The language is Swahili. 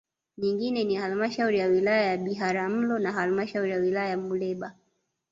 Nyingine ni Halmashauri ya wilaya ya Biharamulo na halmashauri ya Wilaya ya Muleba